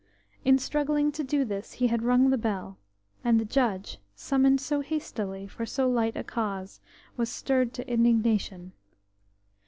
In struggling to do this, he had rung the bell, and the judge, summoned so hastily for so light a cause, was stirred to indignation.